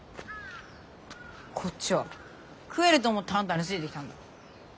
こっちは食えると思ってあんたについてきたんだ。